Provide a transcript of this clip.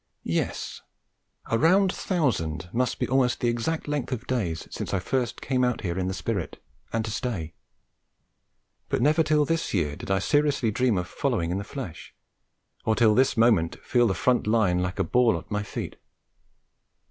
Yes; a round thousand must be almost the exact length of days since I first came out here in the spirit, and to stay. But never till this year did I seriously dream of following in the flesh, or till this moment feel the front line like a ball at my feet.